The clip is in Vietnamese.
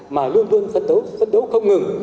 mà luôn luôn phân đấu phân đấu không ngừng